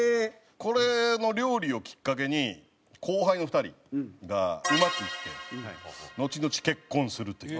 これ料理をきっかけに後輩の２人がうまくいって後々結婚するという。